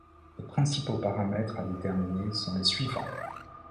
Les principaux paramètres à déterminer sont les suivants.